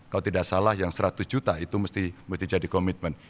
kalau tidak salah yang seratus juta itu mesti jadi komitmen